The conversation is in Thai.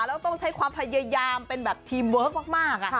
แล้วต้องใช้ความพยายามเป็นแบบทีมเวิร์คมาก